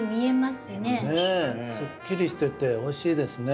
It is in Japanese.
すっきりしてておいしいですね。